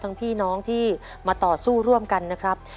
พี่น้องที่มาต่อสู้ร่วมกันนะครับ